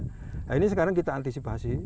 nah ini sekarang kita antisipasi